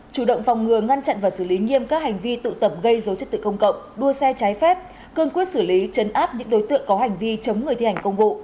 chủ động phòng ngừa ngăn chặn và xử lý nghiêm các hành vi tụ tẩm gây dấu chất tự công cộng đua xe trái phép cương quyết xử lý chấn áp những đối tượng có hành vi chống người thi hành công vụ